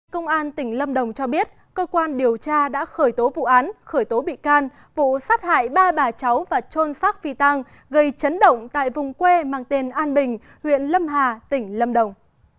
công an tỉnh lâm đồng cho biết cơ quan điều tra đã khởi tố vụ án khởi tố bị can vụ sát hại ba bà cháu và trôn xác phi tăng gây chấn động tại vùng quê mang tên an bình huyện lâm hà tỉnh lâm đồng